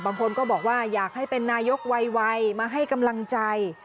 บางคนก็บอกว่าอยากให้เป็นนายกไวมาให้กำลังใจ